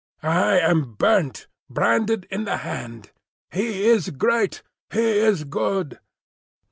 I am burnt, branded in the hand. He is great. He is good!"